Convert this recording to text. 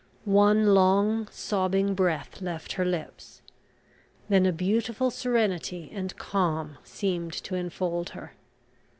One long, sobbing breath left her lips; then a beautiful serenity and calm seemed to enfold her.